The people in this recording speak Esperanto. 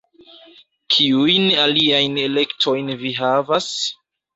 Kiujn aliajn elektojn vi havas?